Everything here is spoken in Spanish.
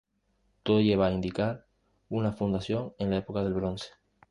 Todo lleva a indicar una fundación en la Época del Bronce.